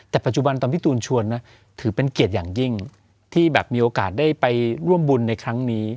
แต่ปัจจุบันตอนพี่ตูนชวนนะถือเป็นเกียรติอย่างยิ่งที่แบบมีโอกาสได้ไปร่วมบุญในครั้งนี้